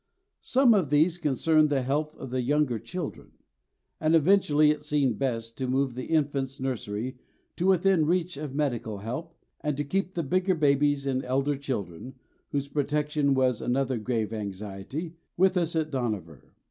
Some of these concerned the health of the younger children; and eventually it seemed best to move the infants' nursery to within reach of medical help, and keep the bigger babies and elder children, whose protection was another grave anxiety, with us at Dohnavur.